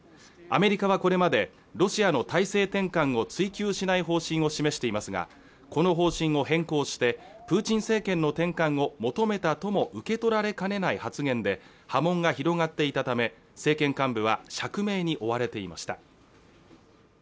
アメリカはこれまでロシアの体制転換を追及しない方針を示していますがこの方針を変更してプーチン政権の転換を求めたとも受け取られかねない発言で波紋が広がっていたため政権幹部は釈明に追われていました